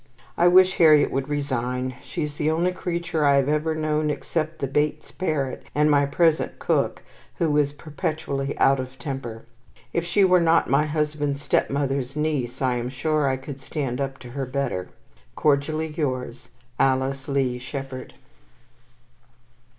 I wish Harriet would resign. She is the only creature I have ever known, except the Bate's parrot and my present cook, who is perpetually out of temper. If she were not my husband's stepmother's niece, I am sure I could stand up to her better. Cordially yours, ALICE LEIGH SHEPHERD.